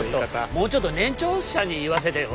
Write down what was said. もうちょっと年長者に言わせてよ。